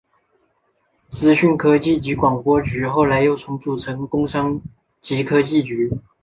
资讯科技及广播局后来又重组成工商及科技局。